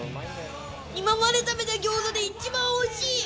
今まで食べた餃子で一番おいしい！